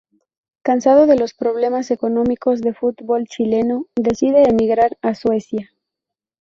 Cansado de los problemas económicos del fútbol chileno, decide emigrar a Suecia.